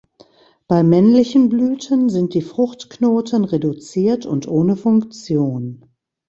Bei männlichen Blüten sind die Fruchtknoten reduziert und ohne Funktion.